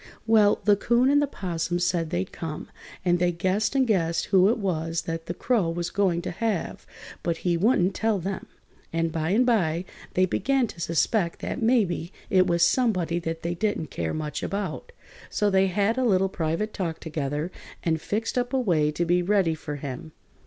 Well, the 'Coon and the 'Possum said they'd come, and they guessed and guessed who it was that the Crow was going to have, but he wouldn't tell them, and by and by they began to suspect that maybe it was somebody that they didn't care much about. So they had a little private talk together and fixed up a way to be ready for him.